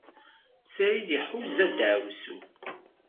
Sɛid iḥuza daɛwessu.